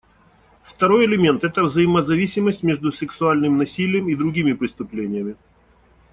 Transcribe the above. Второй элемент — это взаимозависимость между сексуальным насилием и другими преступлениями.